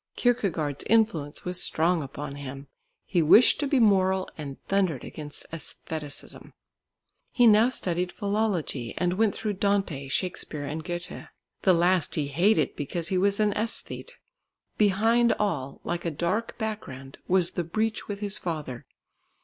Kierkegaard's influence was strong upon him; he wished to be moral, and thundered against æstheticism. He now studied philology, and went through Dante, Shakespeare and Goethe. The last he hated because he was an æsthete. Behind all, like a dark background, was the breach with his father.